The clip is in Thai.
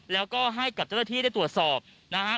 แล้วก็ให้กับเจ้าหน้าที่ได้ตรวจสอบนะฮะ